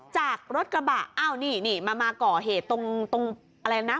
จากรถกระบะอ้าวนี่นี่มาก่อเหตุตรงอะไรนะ